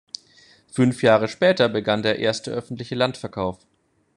Fünf Jahre später begann der erste öffentliche Landverkauf.